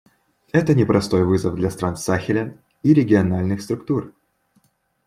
Это непростой вызов для стран Сахеля и региональных структур.